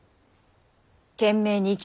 懸命に生き